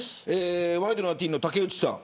ワイドナティーンの竹内さん。